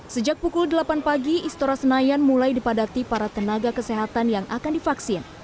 sejak pukul delapan pagi istora senayan mulai dipadati para tenaga kesehatan yang akan divaksin